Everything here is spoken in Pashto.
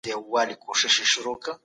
معلومات راټول سوي دي.